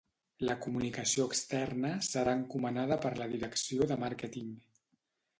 La comunicació externa serà encomanada per la direcció de màrqueting.